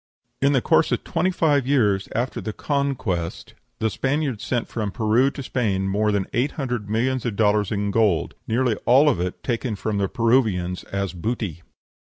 In the course of twenty five years after the Conquest the Spaniards sent from Peru to Spain more than eight hundred millions of dollars of gold, nearly all of it taken from the Peruvians as "booty."